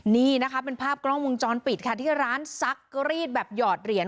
นี่นะคะเป็นภาพกล้องวงจรปิดค่ะที่ร้านซักรีดแบบหยอดเหรียญ